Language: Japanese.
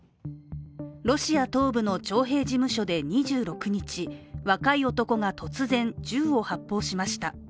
ロシア東部の徴兵事務所で２６日、若い男が突然、銃を発砲しました。